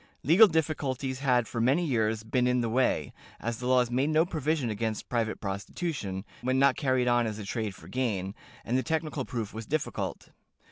Legal difficulties had for many years been in the way, as the laws made no provision against private prostitution, when not carried on as a trade for gain, and the technical proof was difficult.